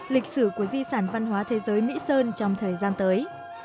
lịch sử của di sản văn hóa thế giới mỹ sơn trong thời gian tới